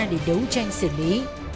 để đấu tranh xử lý